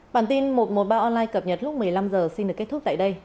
bản tin một trăm một mươi ba online cập nhật lúc một mươi năm h xin được kết thúc tại đây